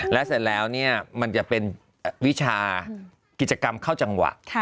และเสร็จแล้วมันจะเป็นวิชากิจกรรมเข้าจังหวะ